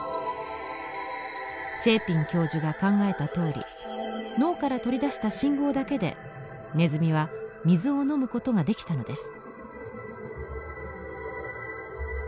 シェーピン教授が考えたとおり脳から取り出した信号だけでネズミは水を飲むことができたのです。